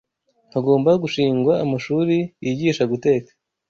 Hagomba gushingwa amashuri yigisha guteka,